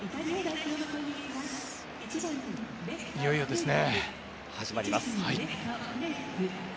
いよいよですね。